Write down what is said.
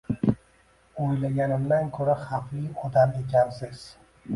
O`ylaganimdan ko`ra xavfli odam ekansiz